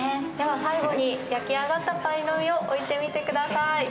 最後に、焼き上がったパイの実を置いてみてください。